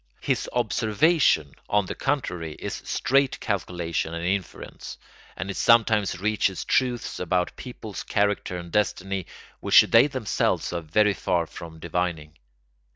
His observation, on the contrary, is straight calculation and inference, and it sometimes reaches truths about people's character and destiny which they themselves are very far from divining.